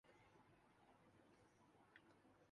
میں بھی اسی سکول میں پڑھتا تھا۔